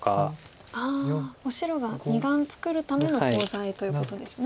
もう白が２眼作るためのコウ材ということですね。